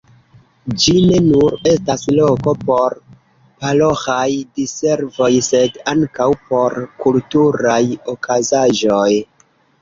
Ĝi ne nur estas loko por paroĥaj diservoj, sed ankaŭ por kulturaj okazaĵoj.